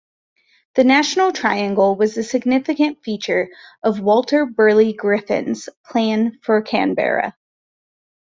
The National Triangle was a significant feature of Walter Burley Griffin's Plan for Canberra.